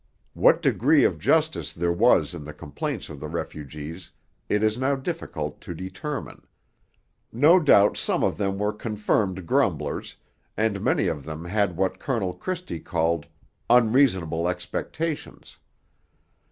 What degree of justice there was in the complaints of the refugees it is now difficult to determine. No doubt some of them were confirmed grumblers, and many of them had what Colonel Christie called 'unreasonable expectations.'